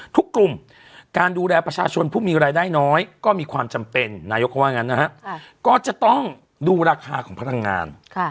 ทุกกลุ่มการดูแลประชาชนผู้มีรายได้น้อยก็มีความจำเป็นนายกเขาว่างั้นนะฮะก็จะต้องดูราคาของพลังงาน